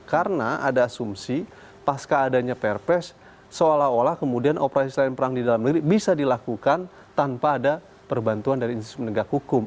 karena ada asumsi pas keadanya prps seolah olah kemudian operasi selain perang di dalam negeri bisa dilakukan tanpa ada perbantuan dari institusi penegak hukum